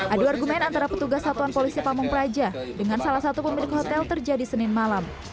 adu argumen antara petugas satuan polisi pamung praja dengan salah satu pemilik hotel terjadi senin malam